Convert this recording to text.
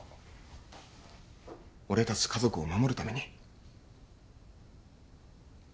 俺たち家族を守るために。